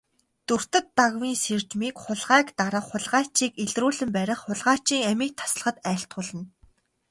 Дүртэд Дагвын сэржмийг хулгайг дарах, хулгайчийг илрүүлэн барих, хулгайчийн амийг таслахад айлтгуулна.